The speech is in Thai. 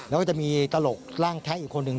แล้วก็จะมีตลกร่างแทะอีกคนหนึ่ง